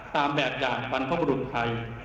ตามแบบอย่างวันพระบุรุษไทย